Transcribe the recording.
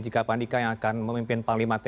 jika pak andika yang akan memimpin panglima tni